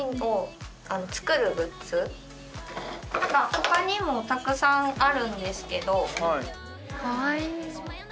他にもたくさんあるんですけど。